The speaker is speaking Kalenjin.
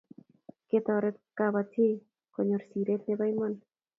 Ketoret kapatik kunyor siret nebo Iman